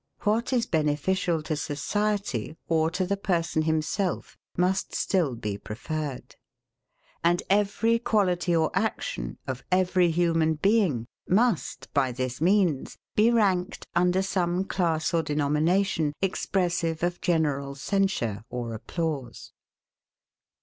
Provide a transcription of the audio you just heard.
What is beneficial to society or to the person himself must still be preferred. And every quality or action, of every human being, must, by this means, be ranked under some class or denomination, expressive of general censure or applause.